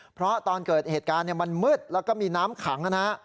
เพราะตอนเกิดเหตุการณ์มันมืดแล้วก็มีน้ำขังนะฮะ